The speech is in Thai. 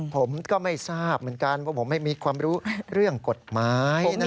ผมก็ไม่ทราบเหมือนกันว่าผมไม่มีความรู้เรื่องกฎหมาย